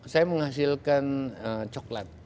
saya menghasilkan coklat